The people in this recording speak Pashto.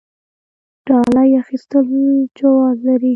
ډالۍ اخیستل جواز لري؟